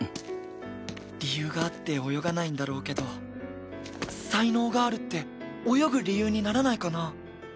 理由があって泳がないんだろうけど才能があるって泳ぐ理由にならないかな？